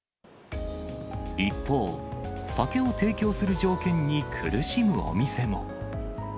一方、酒を提供する条件に苦しむお店も。